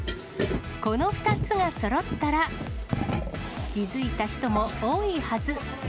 この２つがそろったら、気付いた人も多いはず。